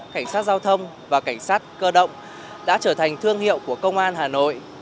cảnh sát giao thông và cảnh sát cơ động đã trở thành thương hiệu của công an hà nội